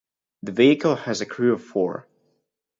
The vehicle has a crew of four.